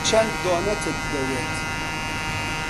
چەند دۆنەتت دەوێت؟